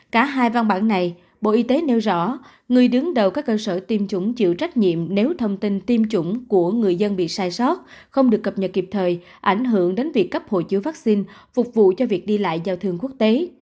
cả hai văn bản này bộ y tế nêu rõ người đứng đầu các cơ sở tiêm chủng chịu trách nhiệm nếu thông tin tiêm chủng của người dân bị sai sót không được cập nhật kịp thời ảnh hưởng đến việc cấp hộ chiếu vaccine phục vụ cho việc đi lại giao thương quốc tế